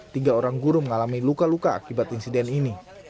tiga orang guru mengalami luka luka akibat insiden ini